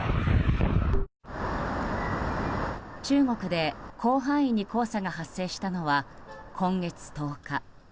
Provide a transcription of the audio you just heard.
中国で広範囲に黄砂が発生したのは今月１０日。